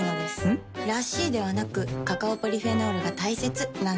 ん？らしいではなくカカオポリフェノールが大切なんです。